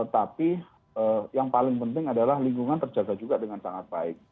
tapi yang paling penting adalah lingkungan terjaga juga dengan sangat baik